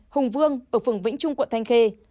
hùng vương ở phường vĩnh trung quận thanh khê